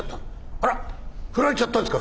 「アラッ振られちゃったんですか？」。